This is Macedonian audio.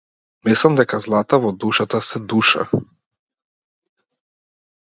Мислам дека злата во душата се душа.